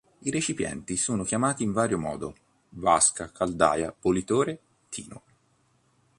I recipienti sono chiamati in vario modo: vasca, caldaia, bollitore, tino.